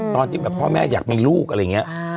ตอนที่แบบพ่อแม่อยากมีลูกอะไรอย่างนี้